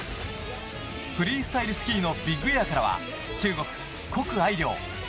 フリースタイルスキーのビッグエアからは中国、コク・アイリョウ。